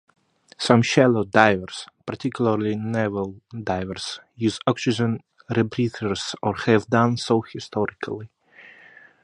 Some shallow divers, particularly naval divers, use oxygen rebreathers or have done so historically.